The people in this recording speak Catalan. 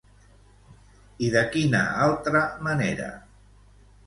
I de quina altra manera?